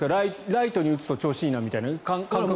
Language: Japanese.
ライトに打つと調子いいみたいなみたいな感覚。